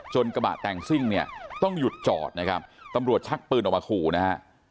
กระบะแต่งซิ่งเนี่ยต้องหยุดจอดนะครับตำรวจชักปืนออกมาขู่นะฮะ